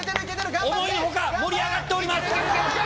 思いの外盛り上がっております！